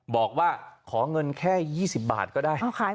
บอกว่าขอเงินแค่๒๐บาทก็ได้